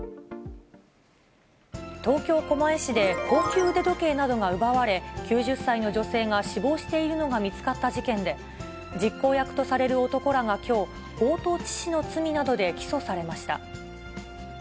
東京・狛江市で、高級腕時計などが奪われ、９０歳の女性が死亡しているのが見つかった事件で、実行役とされる男らがきょう、強盗致死の罪などで起訴されました。